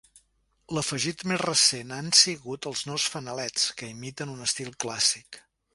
L'afegit més recent han sigut els nous fanalets, que imiten un estil clàssic.